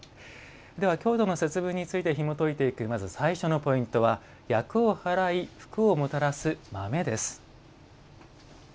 京都の節分についてひもといていく最初のポイントは「厄をはらい福をもたらす豆」。